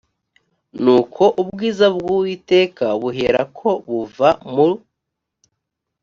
nuko ubwiza bw uwiteka buherako buva mu